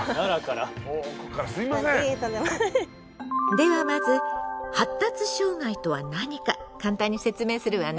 ではまず発達障害とは何か簡単に説明するわね。